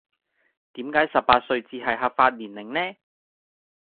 點解十八歲先至係合法年齡呢?